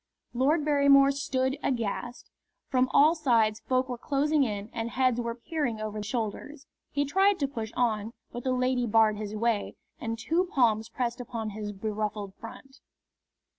Lord Barrymore stood aghast. From all sides folk were closing in and heads were peering over shoulders. He tried to push on, but the lady barred his way and two palms pressed upon his beruffled front.